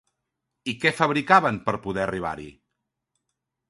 I què fabricaven per poder arribar-hi?